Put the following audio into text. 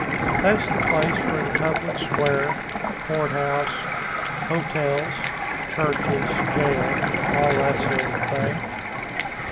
That's the place for the public square, Court House, hotels, churches, jail all that sort of thing.